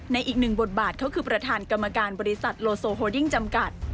อีกหนึ่งบทบาทเขาคือประธานกรรมการบริษัทโลโซโฮดิ้งจำกัด